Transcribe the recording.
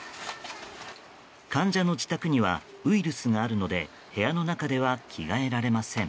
患者の自宅にはウイルスがあるので部屋の中では着替えられません。